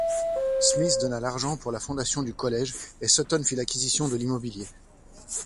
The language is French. Smyth donna l'argent pour la fondation du collège, et Sutton fit l'acquisition de l'immobilier.